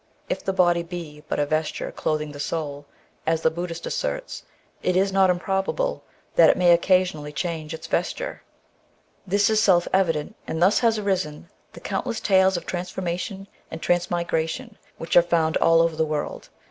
If the body be but a vesture clothing the soul, as the Buddist asserts, it is not improbable that it may occasionally change its vesture. This is self evident, and thus have arisen the count less tales of transformation and transmigration which are found all over the world.